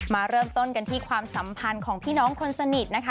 มาเริ่มต้นกันที่ความสัมพันธ์ของพี่น้องคนสนิทนะคะ